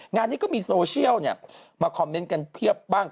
งานนี้ก็มีโซเชียลมาคอมเมนต์กันเพียบบ้าง